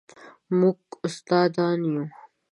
موږ استادان یو